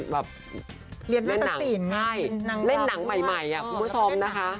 เรียนรักตะตีนใช่เล่นหนังใหม่คุณผู้ชมนะคะ